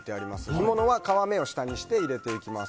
干物は皮目を下にして入れていきます。